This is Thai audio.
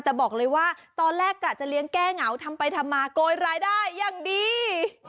แต่บอกเลยว่าตอนแรกกะจะเลี้ยงแก้เหงาทำไปทำมาโกยรายได้อย่างดี